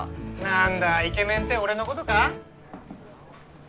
なんだイケメンて俺のことか？